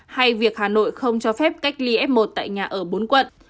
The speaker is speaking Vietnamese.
hay việc hà nội không cho phép cách ly f một tại nhà ở bốn quận